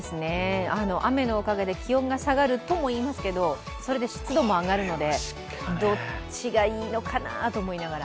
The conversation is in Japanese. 雨のおかげで気温が下がるともいいますけど、それで湿度も上がるのでどっちがいいのかなと思いながら。